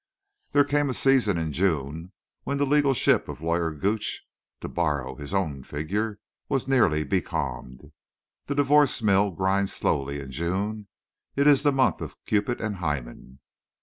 There came a season in June when the legal ship of Lawyer Gooch (to borrow his own figure) was nearly becalmed. The divorce mill grinds slowly in June. It is the month of Cupid and Hymen.